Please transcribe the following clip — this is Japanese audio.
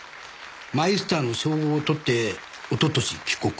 マイスターの称号を取って一昨年帰国。